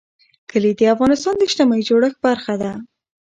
کلي د افغانستان د اجتماعي جوړښت برخه ده.